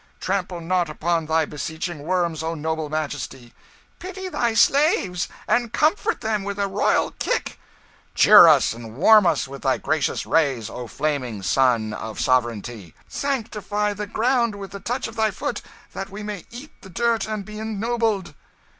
"Trample not upon thy beseeching worms, O noble Majesty!" "Pity thy slaves, and comfort them with a royal kick!" "Cheer us and warm us with thy gracious rays, O flaming sun of sovereignty!" "Sanctify the ground with the touch of thy foot, that we may eat the dirt and be ennobled!"